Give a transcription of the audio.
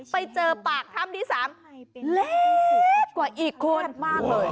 ไปเจอปากถ้ำที่สามเล็กกว่าอีกคุณ